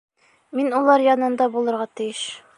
Мин улар янында булырға тейеш.